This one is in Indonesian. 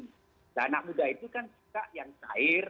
nah anak muda itu kan juga yang cair